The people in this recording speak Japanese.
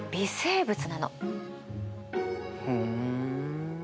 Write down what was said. ふん。